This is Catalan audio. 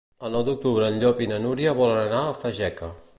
El nou d'octubre en Llop i na Núria volen anar a Fageca.